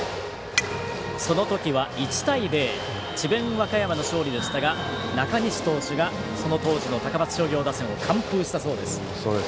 和歌山の勝利でしたが中西投手がその当時の高松商業打線を完封したそうです。